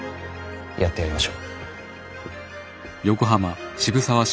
やってやりましょう。